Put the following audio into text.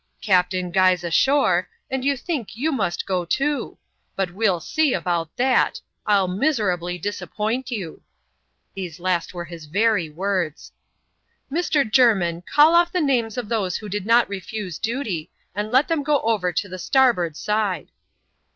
Captair Guy's ashore, and you think you must go too : but we'll see about that — I'll miserably disappoint you." (These last were liis very words.) " Mr. Jermin, call off the names of those who did not refuse doty, and let them go over to the starboard aidje.'